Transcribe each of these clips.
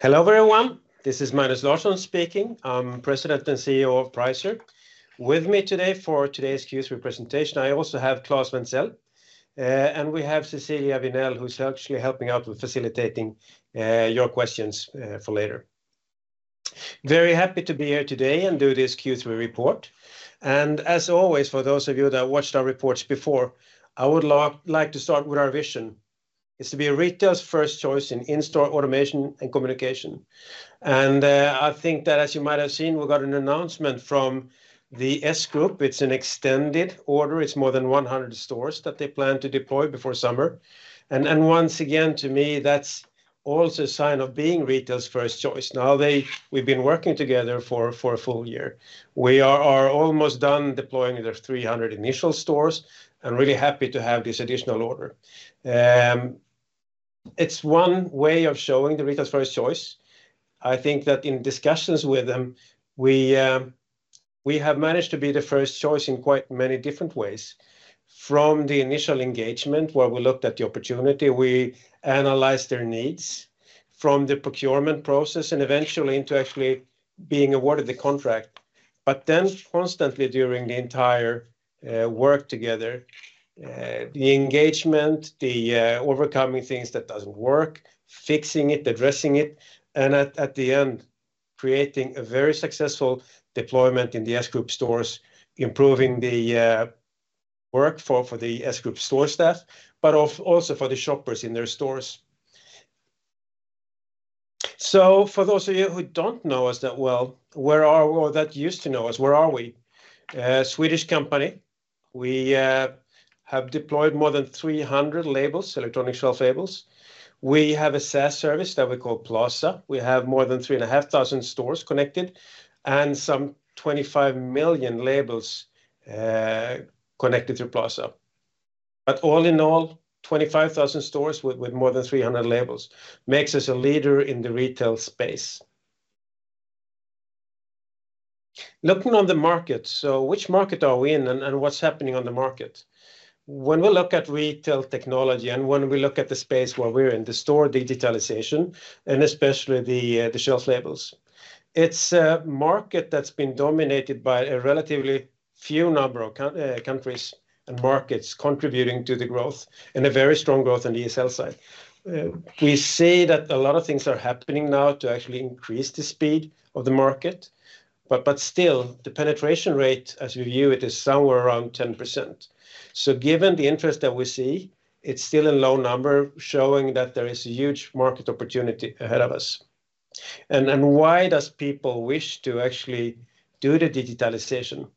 Hello, everyone. This is Magnus Larsson speaking. I'm President and CEO of Pricer. With me today for today's Q3 presentation, I also have Claes Wenthzel, and we have Cecilia Vinell, who's actually helping out with facilitating your questions for later. Very happy to be here today and do this Q3 report, and as always, for those of you that watched our reports before, I would like to start with our vision. It's to be a retailer's first choice in in-store automation and communication, and I think that, as you might have seen, we got an announcement from the S Group. It's an extended order. It's more than 100 stores that they plan to deploy before summer, and once again, to me, that's also a sign of being retail's first choice. Now, we've been working together for a full year. We are almost done deploying their 300 initial stores, and really happy to have this additional order. It's one way of showing the retailer's first choice. I think that in discussions with them, we have managed to be the first choice in quite many different ways. From the initial engagement, where we looked at the opportunity, we analyzed their needs, from the procurement process, and eventually into actually being awarded the contract. But then constantly during the entire work together, the engagement, overcoming things that doesn't work, fixing it, addressing it, and at the end, creating a very successful deployment in the S Group stores, improving the work for the S Group store staff, but also for the shoppers in their stores. So for those of you who don't know us that well, where are we, or that used to know us, where are we? A Swedish company. We have deployed more than 300 labels, electronic shelf labels. We have a SaaS service that we call Plaza. We have more than three and a half thousand stores connected, and some twenty-five million labels connected through Plaza. But all in all, 25,000 stores with more than 300 labels makes us a leader in the retail space. Looking on the market, so which market are we in, and what's happening on the market? When we look at retail technology, and when we look at the space where we're in, the store digitalization, and especially the shelf labels, it's a market that's been dominated by a relatively few number of countries and markets contributing to the growth, and a very strong growth on the ESL side. We see that a lot of things are happening now to actually increase the speed of the market, but still, the penetration rate, as we view it, is somewhere around 10%. So given the interest that we see, it's still a low number, showing that there is a huge market opportunity ahead of us. And why does people wish to actually do the digitalization?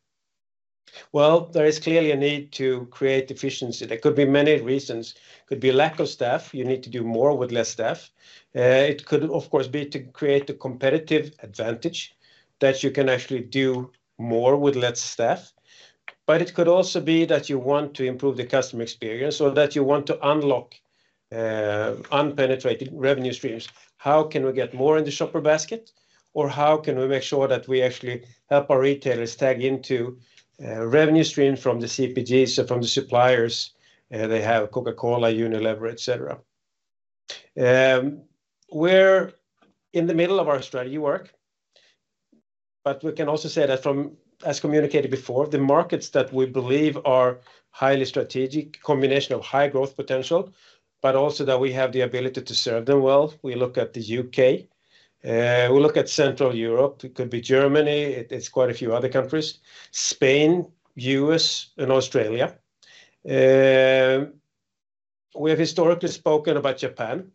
Well, there is clearly a need to create efficiency. There could be many reasons. Could be a lack of staff. You need to do more with less staff. It could, of course, be to create a competitive advantage, that you can actually do more with less staff. But it could also be that you want to improve the customer experience, or that you want to unlock unpenetrated revenue streams. How can we get more in the shopper basket? Or how can we make sure that we actually help our retailers tap into a revenue stream from the CPGs, so from the suppliers? They have Coca-Cola, Unilever, et cetera. We're in the middle of our strategy work, but we can also say that from, as communicated before, the markets that we believe are highly strategic, combination of high growth potential, but also that we have the ability to serve them well. We look at the U.K., we look at Central Europe, it could be Germany, it's quite a few other countries. Spain, U.S., and Australia. We have historically spoken about Japan.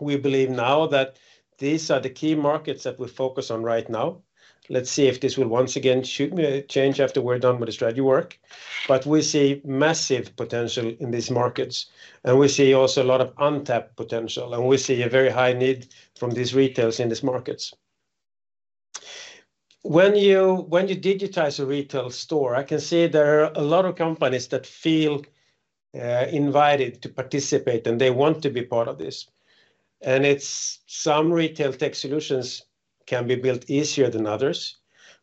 We believe now that these are the key markets that we focus on right now. Let's see if this will once again change after we're done with the strategy work. But we see massive potential in these markets, and we see also a lot of untapped potential, and we see a very high need from these retailers in these markets. When you digitize a retail store, I can see there are a lot of companies that feel invited to participate, and they want to be part of this. It's some retail tech solutions can be built easier than others,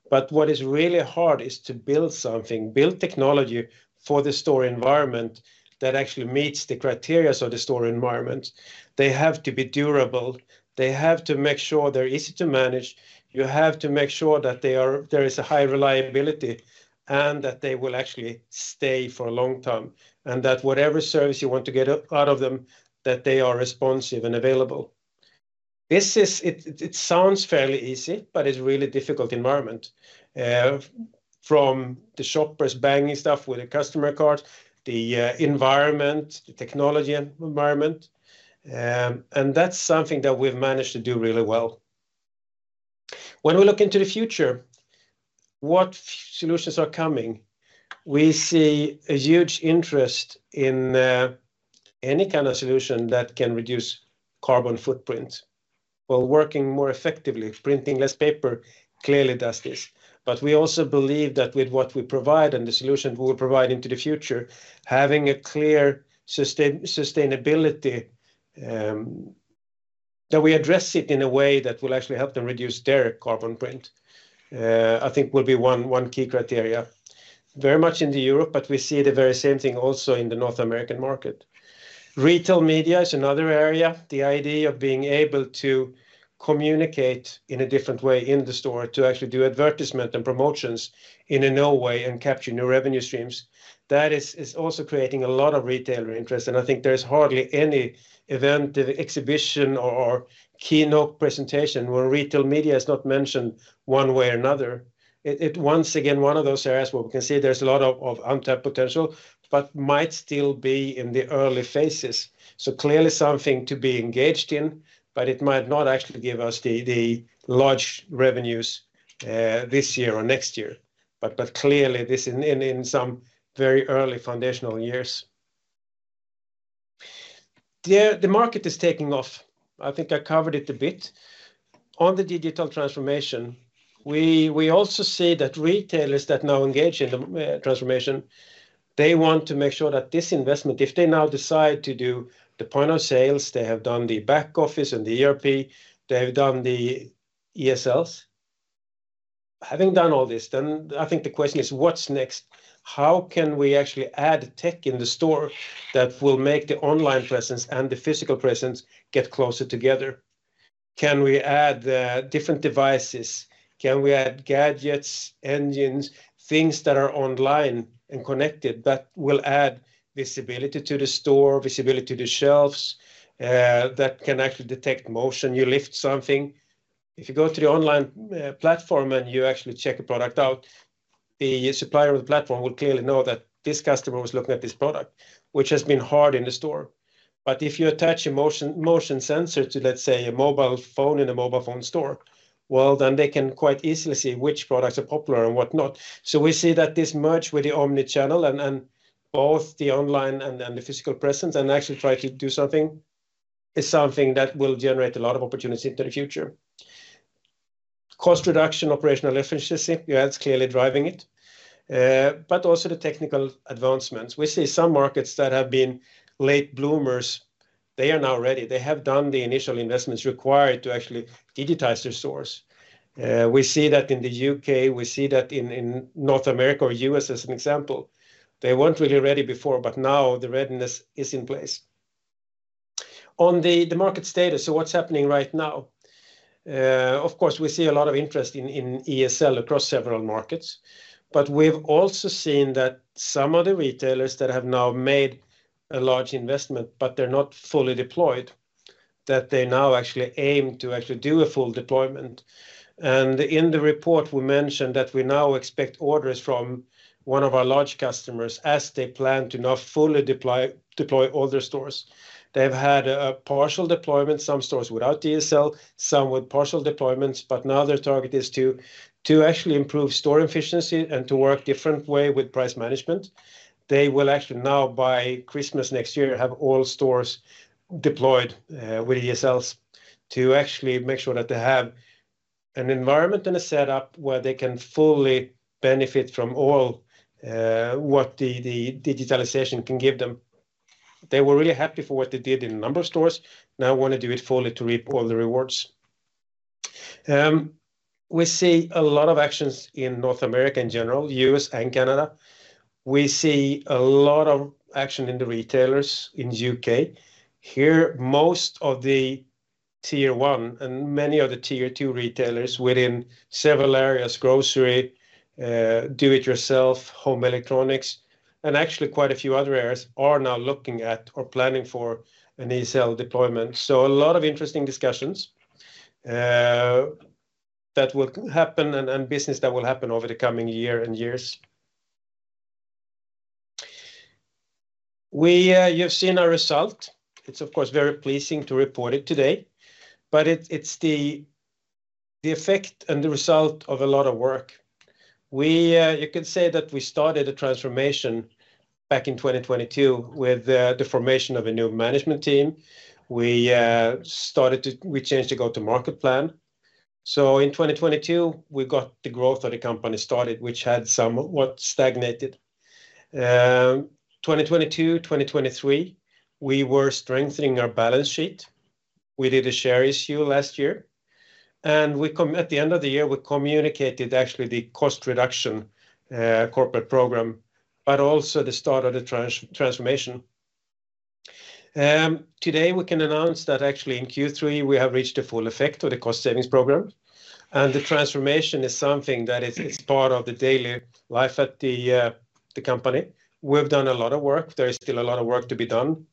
but what is really hard is to build something, build technology for the store environment that actually meets the criteria of the store environment. They have to be durable. They have to make sure they're easy to manage. You have to make sure that there is a high reliability, and that they will actually stay for a long time, and that whatever service you want to get out of them, that they are responsive and available. This is. It sounds fairly easy, but it's really difficult environment. From the shoppers banging stuff with a customer cart, the environment, the technology environment, and that's something that we've managed to do really well. When we look into the future, what solutions are coming? We see a huge interest in any kind of solution that can reduce carbon footprint, while working more effectively. Printing less paper clearly does this. But we also believe that with what we provide, and the solution we will provide into the future, having a clear sustainability, that we address it in a way that will actually help them reduce their carbon footprint, I think will be one key criteria. Very much in Europe, but we see the very same thing also in the North American market. Retail media is another area. The idea of being able to communicate in a different way in the store to actually do advertisement and promotions in a new way and capture new revenue streams, that is also creating a lot of retailer interest. I think there's hardly any event, exhibition, or keynote presentation where retail media is not mentioned one way or another. It once again one of those areas where we can see there's a lot of untapped potential, but might still be in the early phases. Clearly something to be engaged in, but it might not actually give us the large revenues this year or next year. Clearly this is in some very early foundational years. The market is taking off. I think I covered it a bit. On the digital transformation, we also see that retailers that now engage in the transformation, they want to make sure that this investment, if they now decide to do the point of sales, they have done the back office and the ERP, they have done the ESLs. Having done all this, then I think the question is, what's next? How can we actually add tech in the store that will make the online presence and the physical presence get closer together? Can we add different devices? Can we add gadgets, engines, things that are online and connected, that will add visibility to the store, visibility to the shelves that can actually detect motion, you lift something. If you go to the online platform and you actually check a product out, the supplier of the platform will clearly know that this customer was looking at this product, which has been hard in the store. But if you attach a motion sensor to, let's say, a mobile phone in a mobile phone store, well, then they can quite easily see which products are popular and whatnot. We see that this merge with the omni-channel and both the online and then the physical presence, and actually try to do something, is something that will generate a lot of opportunity into the future. Cost reduction, operational efficiency, yeah, it's clearly driving it. But also the technical advancements. We see some markets that have been late bloomers; they are now ready. They have done the initial investments required to actually digitize their stores. We see that in the U.K.; we see that in North America or U.S., as an example. They weren't really ready before, but now the readiness is in place. On the market status, so what's happening right now? Of course, we see a lot of interest in ESL across several markets, but we've also seen that some of the retailers that have now made a large investment, but they're not fully deployed, that they now actually aim to actually do a full deployment. In the report, we mentioned that we now expect orders from one of our large customers as they plan to now fully deploy all their stores. They've had a partial deployment, some stores without ESL, some with partial deployments, but now their target is to actually improve store efficiency and to work different way with price management. They will actually now, by Christmas next year, have all stores deployed with ESLs to actually make sure that they have an environment and a setup where they can fully benefit from all what the digitalization can give them. They were really happy for what they did in a number of stores, now want to do it fully to reap all the rewards. We see a lot of actions in North America in general, U.S. and Canada. We see a lot of action in the retailers in U.K. Here, most of the Tier One and many of the Tier Two retailers within several areas, grocery, do it yourself, home electronics, and actually quite a few other areas, are now looking at or planning for an ESL deployment. So a lot of interesting discussions that will happen and business that will happen over the coming year and years. We. You've seen our result. It's, of course, very pleasing to report it today, but it's the effect and the result of a lot of work. We, you could say that we started a transformation back in 2022 with the formation of a new management team. We changed the go-to-market plan, so in 2022, we got the growth of the company started, which had somewhat stagnated. 2022, 2023, we were strengthening our balance sheet. We did a share issue last year, and we, at the end of the year, we communicated actually the cost reduction corporate program, but also the start of the transformation. Today, we can announce that actually in Q3, we have reached the full effect of the cost savings program, and the transformation is something that is part of the daily life at the company. We've done a lot of work. There is still a lot of work to be done,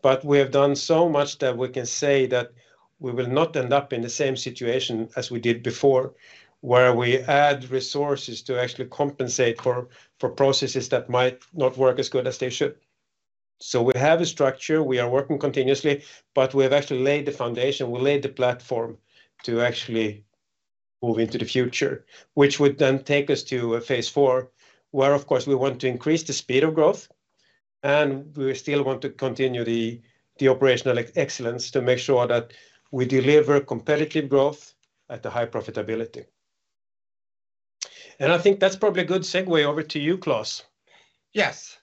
but we have done so much that we can say that we will not end up in the same situation as we did before, where we add resources to actually compensate for, for processes that might not work as good as they should. So we have a structure, we are working continuously, but we have actually laid the foundation, we laid the platform to actually move into the future, which would then take us to a phase four, where, of course, we want to increase the speed of growth, and we still want to continue the operational excellence to make sure that we deliver competitive growth at a high profitability. And I think that's probably a good segue over to you, Claes. Yes.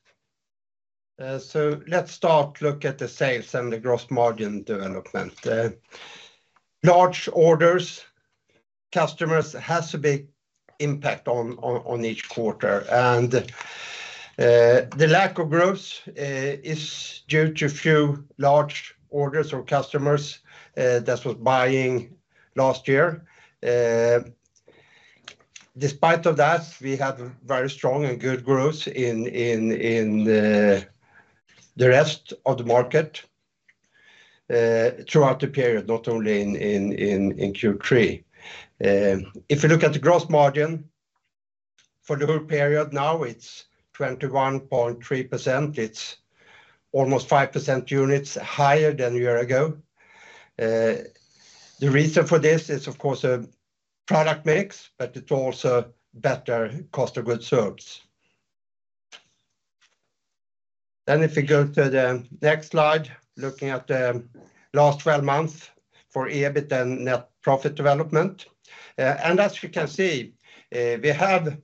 So let's start look at the sales and the gross margin development. Large orders, customers has a big impact on each quarter. The lack of growth is due to a few large orders or customers that was buying last year. Despite of that, we have very strong and good growth in the rest of the market throughout the period, not only in Q3. If you look at the gross margin for the whole period, now it's 21.3%. It's almost 5 percentage points higher than a year ago. The reason for this is, of course, a product mix, but it's also better cost of goods sold. Then if you go to the next slide, looking at the last 12 months for EBIT and net profit development, and as you can see, we have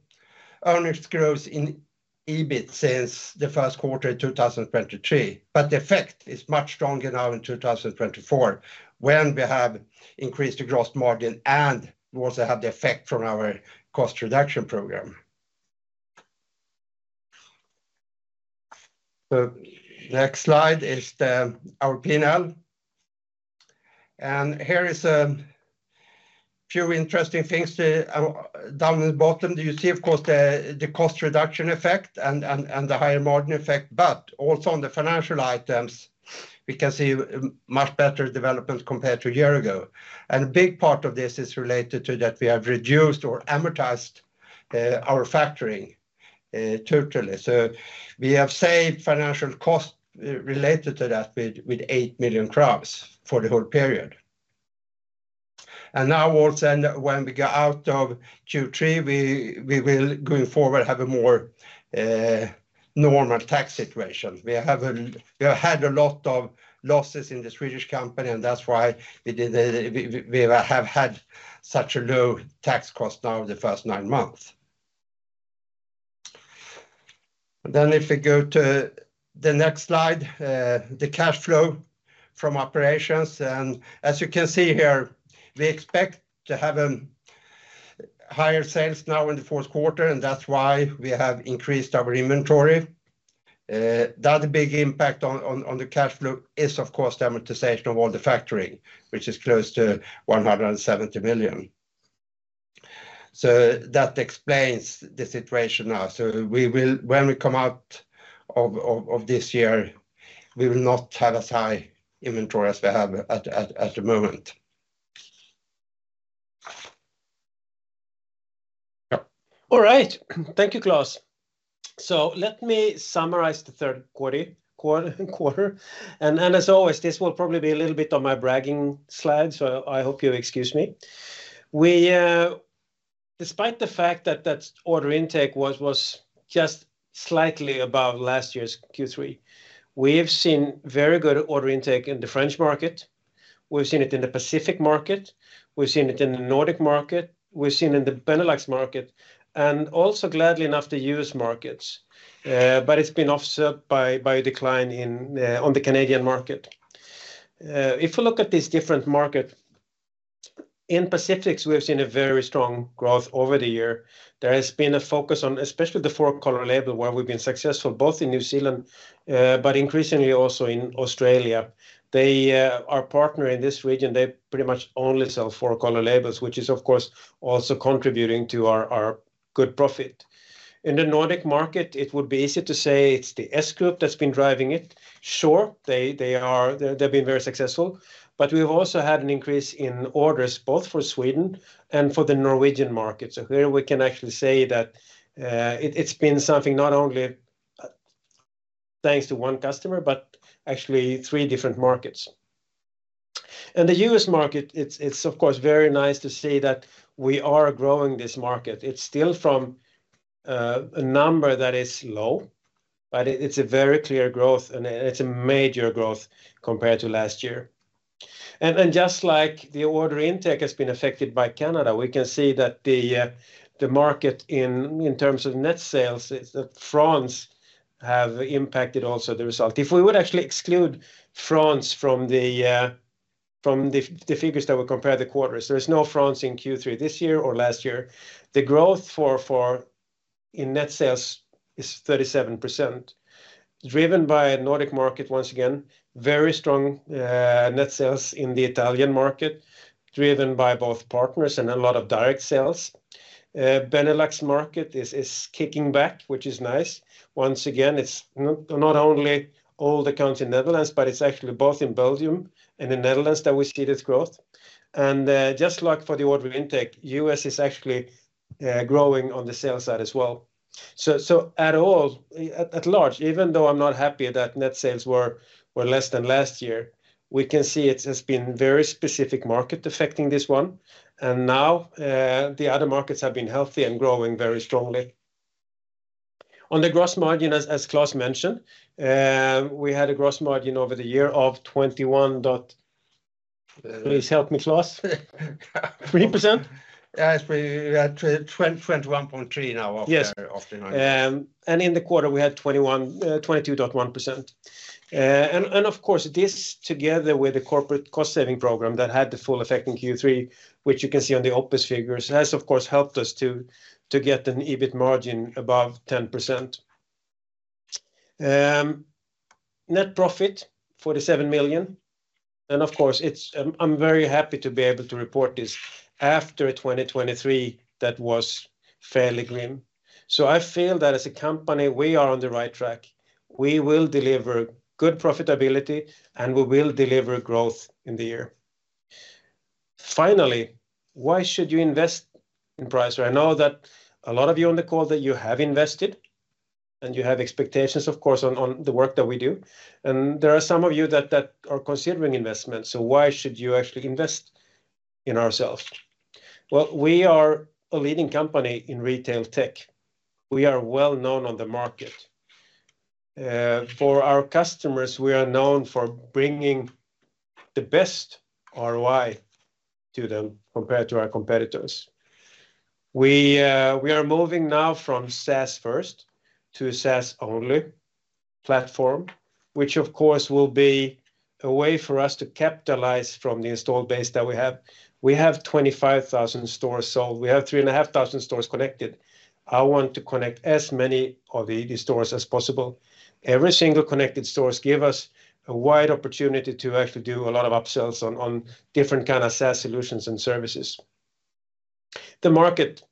earnings growth in EBIT since the first quarter in 2023, but the effect is much stronger now in 2024, when we have increased the gross margin and we also have the effect from our cost reduction program. So the next slide is our P&L, and here is a few interesting things down at the bottom. Do you see, of course, the cost reduction effect and the higher margin effect, but also on the financial items, we can see much better development compared to a year ago. And a big part of this is related to that we have reduced or amortized our factoring totally. We have saved financial costs related to that with eight million SEK for the whole period. Now also, when we get out of Q3, we will, going forward, have a more normal tax situation. We have had a lot of losses in the Swedish company, and that's why we have had such a low tax cost now the first nine months. If we go to the next slide, the cash flow from operations, and as you can see here, we expect to have higher sales now in the fourth quarter, and that's why we have increased our inventory. The other big impact on the cash flow is, of course, the amortization of all the factoring, which is close to 170 million SEK. That explains the situation now. When we come out of this year, we will not have as high inventory as we have at the moment. All right. Thank you, Claes. So let me summarize the third quarter, and as always, this will probably be a little bit of my bragging slide, so I hope you excuse me. Despite the fact that order intake was just slightly above last year's Q3, we have seen very good order intake in the French market. We've seen it in the Pacific market. We've seen it in the Nordic market. We've seen it in the Benelux market, and also, gladly enough, the U.S. markets. But it's been offset by a decline in the Canadian market. If you look at these different markets, in Pacific, we've seen a very strong growth over the year. There has been a focus on, especially the four-color label, where we've been successful both in New Zealand but increasingly also in Australia. They, our partner in this region, they pretty much only sell four-color labels, which is, of course, also contributing to our, our good profit. In the Nordic market, it would be easy to say it's the S Group that's been driving it. Sure, they are, they've been very successful, but we've also had an increase in orders, both for Sweden and for the Norwegian market. So here we can actually say that, it's been something not only thanks to one customer, but actually three different markets. In the U.S. market, it's of course, very nice to see that we are growing this market. It's still from, a number that is low, but it's a very clear growth, and it's a major growth compared to last year. And then, just like the order intake has been affected by Canada, we can see that the market in terms of net sales is that France have impacted also the result. If we would actually exclude France from the figures that we compare the quarters, there is no France in Q3 this year or last year. The growth in net sales is 37%, driven by Nordic market, once again, very strong net sales in the Italian market, driven by both partners and a lot of direct sales. Benelux market is kicking back, which is nice. Once again, it's not only all the countries in Netherlands, but it's actually both in Belgium and in Netherlands that we see this growth. Just like for the order intake, US is actually growing on the sales side as well. At large, even though I'm not happy that net sales were less than last year, we can see it has been very specific market affecting this one, and the other markets have been healthy and growing very strongly. On the gross margin, as Claes mentioned, we had a gross margin over the year of 21.3%. Yes, we are 21.3 now. Yes after nine months. And in the quarter, we had 21, 22.1%. And of course, this, together with the corporate cost-saving program that had the full effect in Q3, which you can see on the OPEX figures, has of course helped us to get an EBIT margin above 10%. Net profit, 47 million, and of course, it's. I'm very happy to be able to report this after 2023, that was fairly grim. So I feel that as a company, we are on the right track. We will deliver good profitability, and we will deliver growth in the year. Finally, why should you invest in Pricer? I know that a lot of you on the call, that you have invested, and you have expectations, of course, on the work that we do, and there are some of you that are considering investment. So why should you actually invest in ourselves? Well, we are a leading company in retail tech. We are well-known on the market. For our customers, we are known for bringing the best ROI to them compared to our competitors. We are moving now from SaaS first to a SaaS-only platform, which of course will be a way for us to capitalize from the installed base that we have. We have 25,000 stores, so we have 3,500 stores connected. I want to connect as many of the stores as possible. Every single connected stores give us a wide opportunity to actually do a lot of upsells on different kind of SaaS solutions and services. The market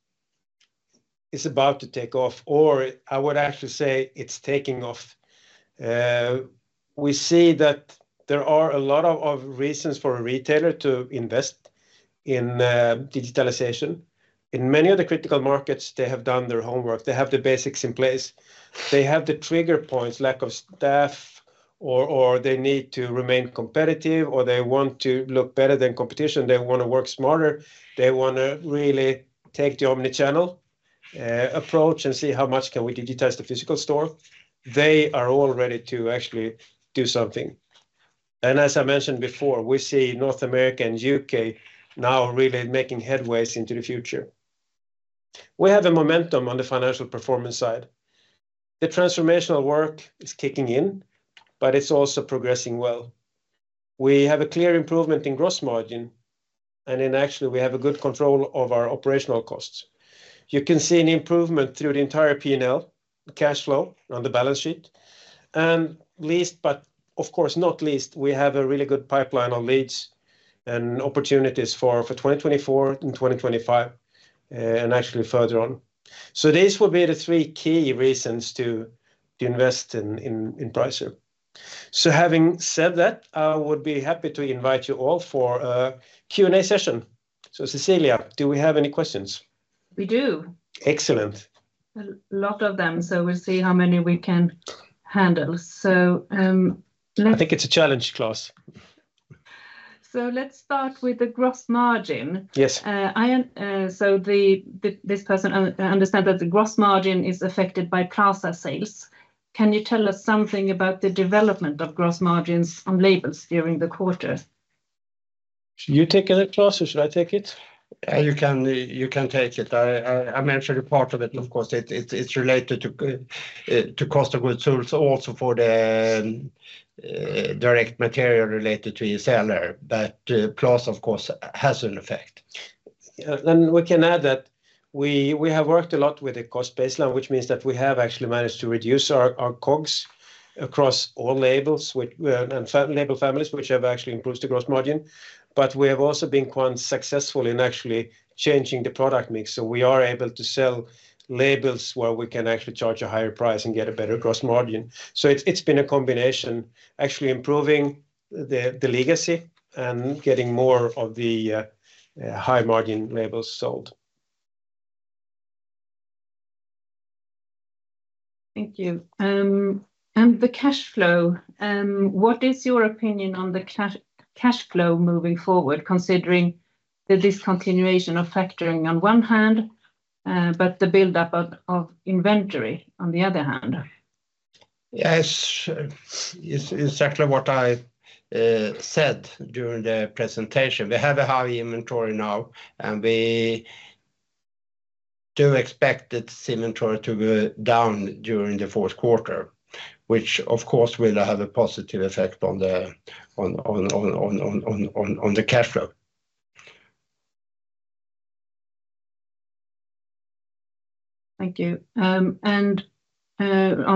is about to take off, or I would actually say it's taking off. We see that there are a lot of reasons for a retailer to invest in digitalization. In many of the critical markets, they have done their homework. They have the basics in place. They have the trigger points, lack of staff, or they need to remain competitive, or they want to look better than competition. They want to work smarter. They want to really take the omni-channel approach and see how much can we digitize the physical store. They are all ready to actually do something, and as I mentioned before, we see North America and U.K. now really making headway into the future. We have a momentum on the financial performance side. The transformational work is kicking in, but it's also progressing well. We have a clear improvement in gross margin, and then actually, we have a good control of our operational costs. You can see an improvement through the entire P&L, cash flow on the balance sheet, and last, but of course, not least, we have a really good pipeline of leads and opportunities for 2024 and 2025, and actually further on. So these will be the three key reasons to invest in Pricer. So having said that, I would be happy to invite you all for a Q&A session. So, Cecilia, do we have any questions? We do. Excellent. A lot of them, so we'll see how many we can handle. I think it's a challenge, Claes. Let's start with the gross margin. Yes. So this person understands that the gross margin is affected by Plaza sales. Can you tell us something about the development of gross margins on labels during the quarter? Should you take it, Claes, or should I take it? You can take it. I mentioned a part of it. Of course, it's related to cost of goods sold, so also for the direct material related to ESL, but Plaza, of course, has an effect. Then we can add that we have worked a lot with the cost baseline, which means that we have actually managed to reduce our COGS across all labels and label families, which have actually improved the gross margin, but we have also been quite successful in actually changing the product mix. So we are able to sell labels where we can actually charge a higher price and get a better gross margin. So it's been a combination, actually improving the legacy and getting more of the high-margin labels sold. Thank you. And the cash flow, what is your opinion on the cash flow moving forward, considering the discontinuation of factoring on one hand, but the buildup of inventory on the other hand? Yes, it's actually what I said during the presentation. We have a high inventory now, and we do expect this inventory to go down during the fourth quarter, which, of course, will have a positive effect on the cash flow. Thank you. On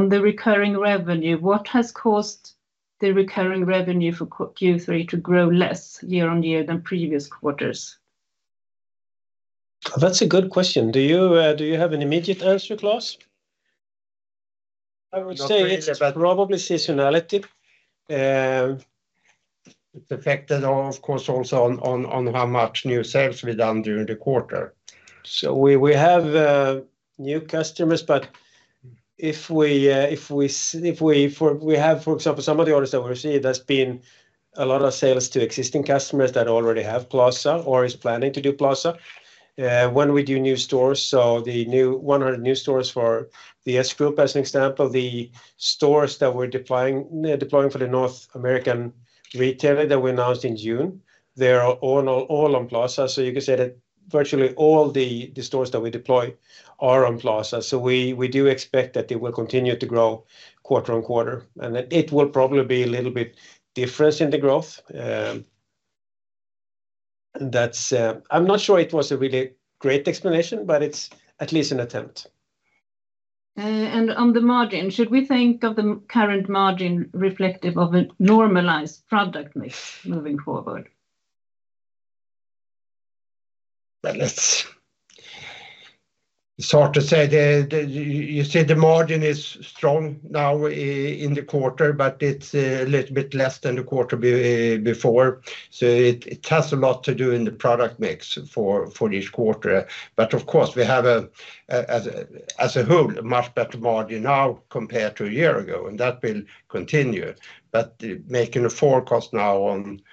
the recurring revenue, what has caused the recurring revenue for Q3 to grow less year on year than previous quarters? That's a good question. Do you have an immediate answer, Claes? I would say- Go ahead... it's probably seasonality. It's affected, of course, also on how much new sales we've done during the quarter. So we have new customers, but if we, for example, some of the orders that we see, there's been a lot of sales to existing customers that already have Plaza or is planning to do Plaza. When we do new stores, so the 100 new stores for the S Group, as an example, the stores that we're deploying for the North American retailer that we announced in June, they are all on Plaza. So you can say that virtually all the stores that we deploy are on Plaza. So we do expect that they will continue to grow quarter on quarter, and that it will probably be a little bit difference in the growth. That's, I'm not sure it was a really great explanation, but it's at least an attempt. On the margin, should we think of the current margin reflective of a normalized product mix moving forward? Well, it's hard to say. You said the margin is strong now in the quarter, but it's a little bit less than the quarter before. So it has a lot to do in the product mix for each quarter. But of course, we have, as a whole, a much better margin now compared to a year ago, and that will continue. But making a forecast now on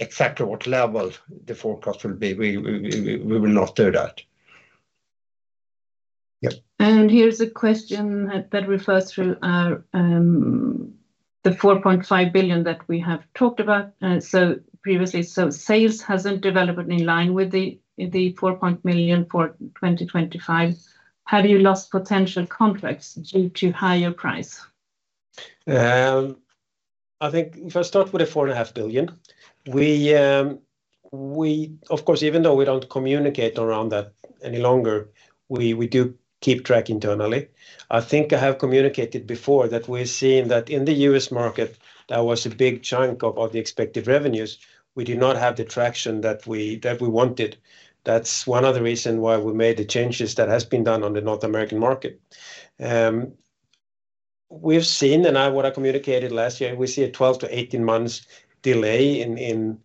exactly what level the forecast will be, we will not do that. Yep. Here's a question that refers to our 4.5 billion SEK that we have talked about so previously. Sales hasn't developed in line with the 4.5 million SEK for 2025. Have you lost potential contracts due to higher price? I think if I start with the 4.5 billion, we, of course, even though we don't communicate around that any longer, we do keep track internally. I think I have communicated before that we're seeing that in the U.S. market, that was a big chunk of all the expected revenues. We do not have the traction that we wanted. That's one of the reason why we made the changes that has been done on the North American market. We've seen what I communicated last year, we see a 12-18 months delay in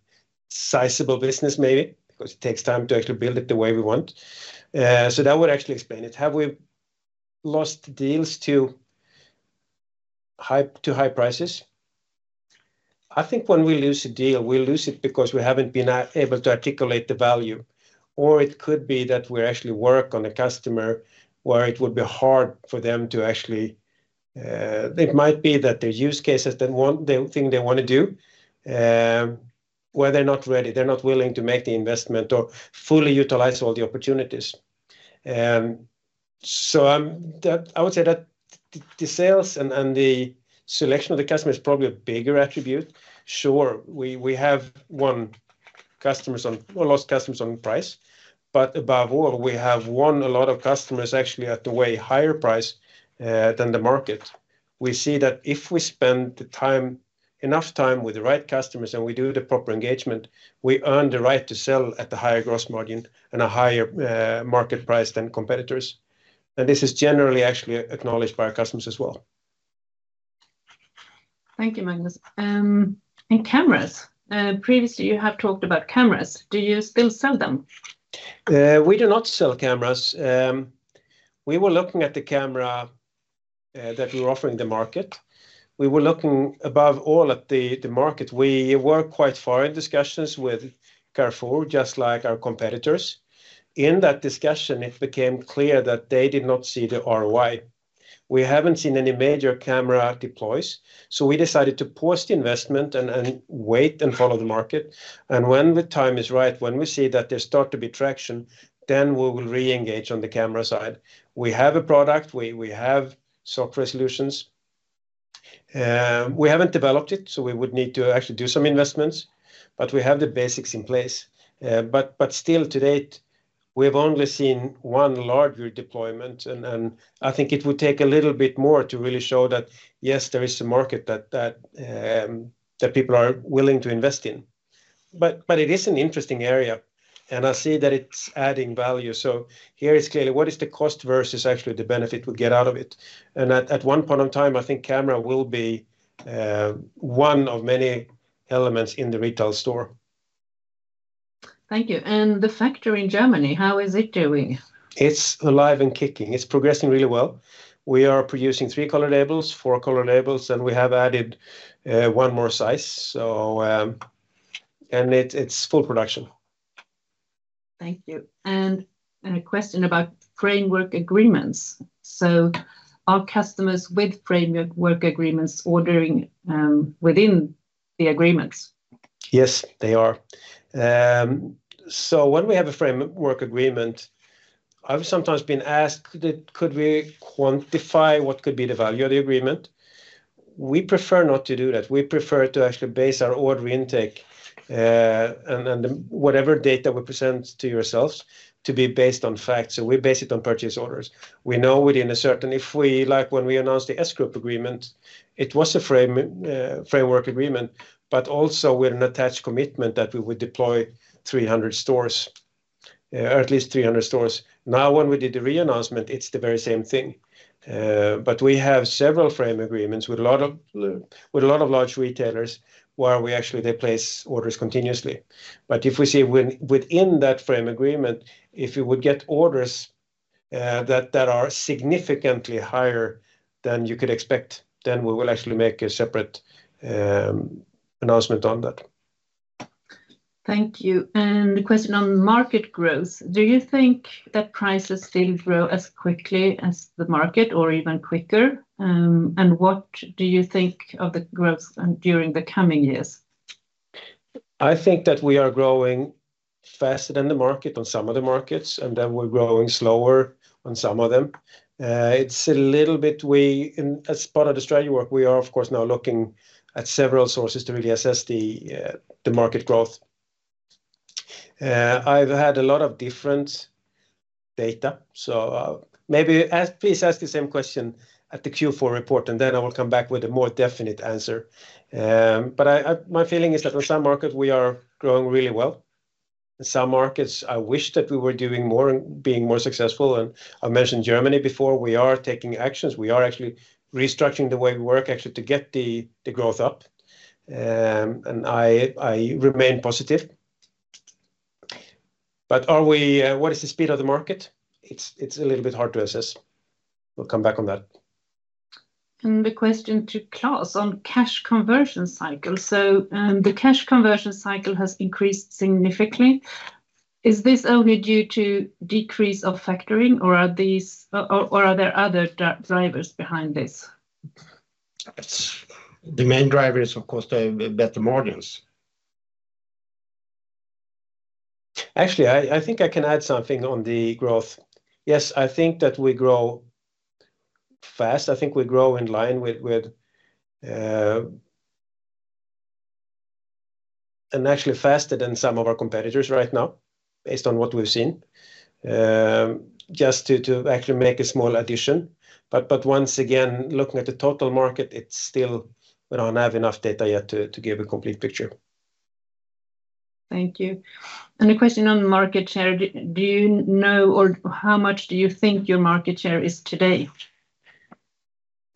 sizable business maybe, because it takes time to actually build it the way we want. So that would actually explain it. Have we lost deals to high prices? I think when we lose a deal, we lose it because we haven't been able to articulate the value, or it could be that we actually work on a customer where it would be hard for them to actually. It might be that the use cases that want, they think they want to do, where they're not ready, they're not willing to make the investment or fully utilize all the opportunities. So, that, I would say that the sales and the selection of the customer is probably a bigger attribute. Sure, we have won customers on, or lost customers on price, but above all, we have won a lot of customers, actually, at a way higher price than the market. We see that if we spend the time, enough time with the right customers and we do the proper engagement, we earn the right to sell at a higher gross margin and a higher market price than competitors. This is generally actually acknowledged by our customers as well. Thank you, Magnus. And cameras. Previously, you have talked about cameras. Do you still sell them? We do not sell cameras. We were looking at the camera that we were offering the market. We were looking, above all, at the market. We were quite far in discussions with Carrefour, just like our competitors. In that discussion, it became clear that they did not see the ROI. We haven't seen any major camera deploys, so we decided to pause the investment and wait and follow the market. When the time is right, when we see that there start to be traction, then we will re-engage on the camera side. We have a product, we have software solutions. We haven't developed it, so we would need to actually do some investments, but we have the basics in place. But still to date, we have only seen one larger deployment, and I think it would take a little bit more to really show that, yes, there is a market that people are willing to invest in. But it is an interesting area, and I see that it's adding value. So here is clearly what is the cost versus actually the benefit we get out of it. And at one point in time, I think camera will be one of many elements in the retail store. Thank you. And the factory in Germany, how is it doing? It's alive and kicking. It's progressing really well. We are producing three-color labels, four-color labels, and we have added one more size. So, it's full production. Thank you. A question about framework agreements. Are customers with framework agreements ordering within the agreements? Yes, they are, so when we have a framework agreement, I've sometimes been asked, could it, could we quantify what could be the value of the agreement? We prefer not to do that. We prefer to actually base our order intake and whatever data we present to yourselves to be based on facts, and we base it on purchase orders. We know within a certain, like when we announced the S Group agreement, it was a framework agreement, but also with an attached commitment that we would deploy 300 stores or at least 300 stores. Now, when we did the re-announcement, it's the very same thing, but we have several framework agreements with a lot of large retailers, where actually they place orders continuously. But if we see within that frame agreement, if we would get orders that are significantly higher than you could expect, then we will actually make a separate announcement on that. Thank you. And a question on market growth: Do you think that prices still grow as quickly as the market or even quicker? And what do you think of the growth, during the coming years? I think that we are growing faster than the market on some of the markets, and then we're growing slower on some of them. It's a little bit, as part of the strategy work, we are, of course, now looking at several sources to really assess the market growth. I've had a lot of different data, so maybe ask, please ask the same question at the Q4 report, and then I will come back with a more definite answer, but my feeling is that on some markets, we are growing really well. In some markets, I wish that we were doing more and being more successful, and I've mentioned Germany before. We are taking actions. We are actually restructuring the way we work, actually, to get the growth up, and I remain positive, but are we... What is the speed of the market? It's, it's a little bit hard to assess. We'll come back on that. The question to Claes on cash conversion cycle. The cash conversion cycle has increased significantly. Is this only due to decrease of factoring, or are there other drivers behind this? It's the main driver is, of course, the better margins. Actually, I think I can add something on the growth. Yes, I think that we grow fast. I think we grow in line with and actually faster than some of our competitors right now, based on what we've seen. Just to actually make a small addition, but once again, looking at the total market, it's still we don't have enough data yet to give a complete picture. Thank you, and a question on market share. Do you know, or how much do you think your market share is today?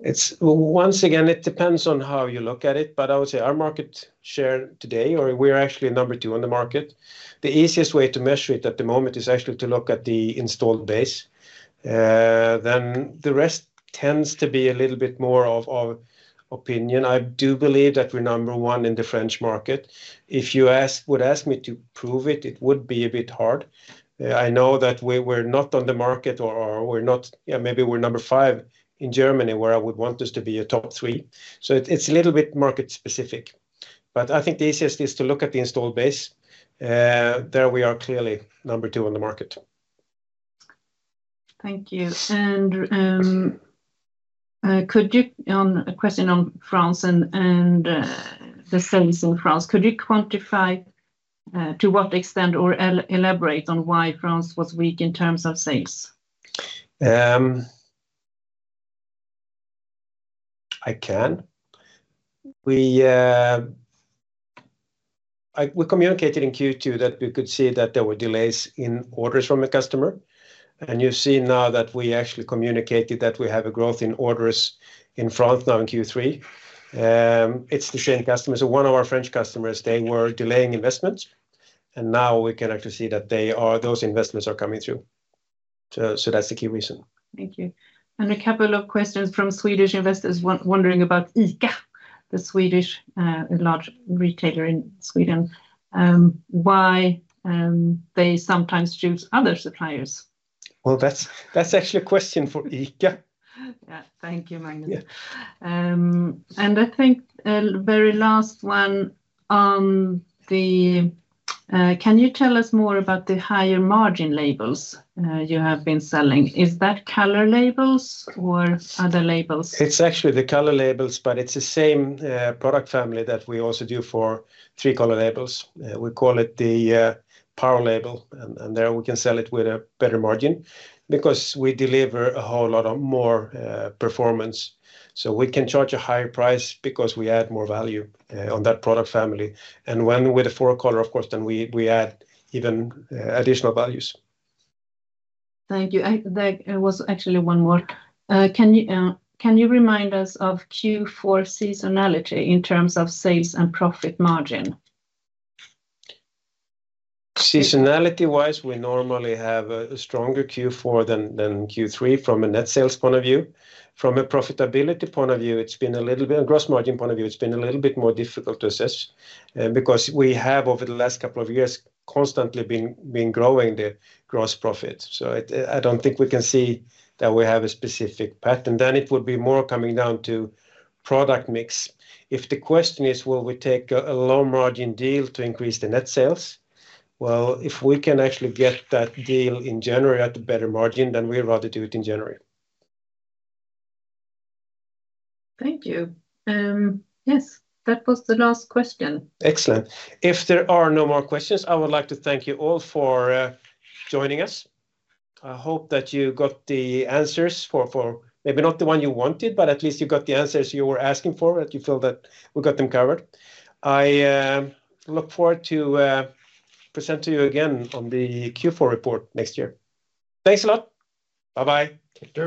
It's once again, it depends on how you look at it, but I would say our market share today, or we're actually number two on the market. The easiest way to measure it at the moment is actually to look at the installed base. Then the rest tends to be a little bit more of opinion. I do believe that we're number one in the French market. If you would ask me to prove it, it would be a bit hard. I know that we're not on the market, or we're not. Yeah, maybe we're number five in Germany, where I would want us to be a top three. So it's a little bit market specific, but I think the easiest is to look at the installed base. There we are clearly number two on the market. Thank you. And, could you, on a question on France and the sales in France, could you quantify to what extent or elaborate on why France was weak in terms of sales? I can. We communicated in Q2 that we could see that there were delays in orders from a customer, and you've seen now that we actually communicated that we have a growth in orders in France now in Q3. It's the same customer. So one of our French customers, they were delaying investments, and now we can actually see that they are, those investments are coming through. So that's the key reason. Thank you. And a couple of questions from Swedish investors wondering about ICA, the Swedish large retailer in Sweden, why they sometimes choose other suppliers? That's, that's actually a question for ICA. Yeah. Thank you, Magnus. Yeah. And I think a very last one on the, can you tell us more about the higher margin labels, you have been selling? Is that color labels or other labels? It's actually the color labels, but it's the same product family that we also do for three color labels. We call it the Power label, and there we can sell it with a better margin because we deliver a whole lot of more performance. So we can charge a higher price because we add more value on that product family. And when with a four color, of course, then we add even additional values. Thank you. There was actually one more. Can you remind us of Q4 seasonality in terms of sales and profit margin? Seasonality-wise, we normally have a stronger Q4 than Q3 from a net sales point of view. From a profitability point of view, it's been a little bit, a gross margin point of view, it's been a little bit more difficult to assess, because we have, over the last couple of years, constantly been growing the gross profit. So I don't think we can say that we have a specific pattern. Then it would be more coming down to product mix. If the question is, will we take a low-margin deal to increase the net sales? Well, if we can actually get that deal in January at a better margin, then we'd rather do it in January. Thank you. Yes, that was the last question. Excellent. If there are no more questions, I would like to thank you all for joining us. I hope that you got the answers for maybe not the one you wanted, but at least you got the answers you were asking for, that you feel that we got them covered. I look forward to present to you again on the Q4 report next year. Thanks a lot. Bye-bye. Thank you.